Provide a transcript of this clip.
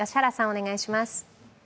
お願いします。